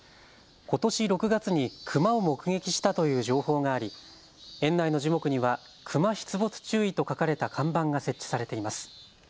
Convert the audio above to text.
ことし６月にクマを目撃したという情報があり園内の樹木には熊出没注意と書かれた看板が設置されています。